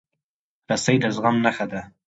رسۍ د زغم نښه ده.